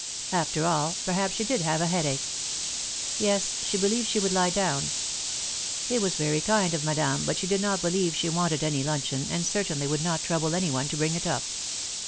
After all, perhaps she did have a headache. Yes, she believed she would lie down. It was very kind of Madame but she did not believe she wanted any luncheon and certainly would not trouble anyone to bring it up.